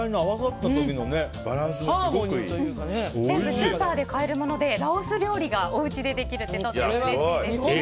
全部スーパーで買えるものでラオス料理がおうちでできるってとてもうれしいですよね。